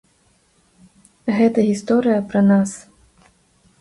Гэта гісторыя пра нас.